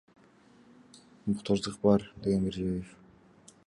Муктаждык бар, — деген Мирзиёев.